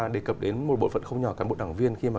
đề cập đến một bộ phận không nhỏ cán bộ đảng viên khi mà